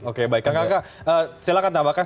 oke baik kakak kakak silakan tambahkan